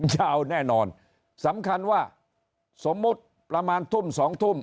ยาวแน่นอนสำคัญว่าสมมุติประมาณทุ่มสองทุ่ม